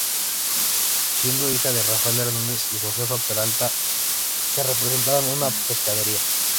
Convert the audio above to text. Siendo hija de Rafael Hernández y Josefa Peralta, que regentaban una pescadería.